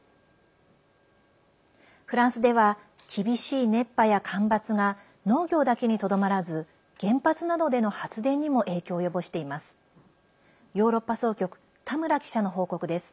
フランスでは厳しい熱波や干ばつが農業だけにとどまらず原発などでの発電にも影響を及ぼしています。